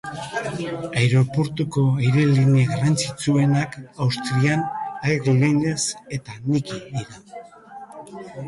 Aireportuko airelinea garrantzitsuenak Austrian Airlines eta Niki dira.